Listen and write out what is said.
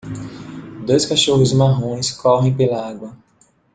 Dois cachorros marrons correm pela água.